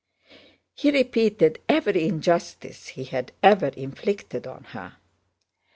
He repeated every injustice he had ever inflicted on her.